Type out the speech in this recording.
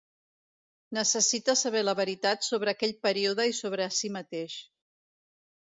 Necessita saber la veritat sobre aquell període i sobre si mateix.